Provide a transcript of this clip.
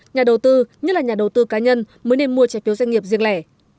nhà đầu tư nhất là nhà đầu tư cá nhân mới nên mua trái phiếu doanh nghiệp riêng lẻ